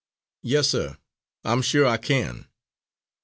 "Yes, sir, I'm sure I can.